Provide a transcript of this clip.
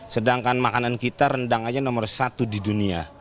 sedangkan makanan kita rendangannya nomor satu di dunia